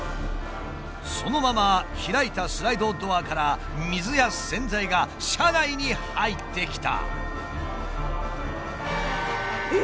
そのまま開いたスライドドアから水や洗剤が車内に入ってきた！